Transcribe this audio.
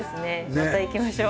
また行きましょう。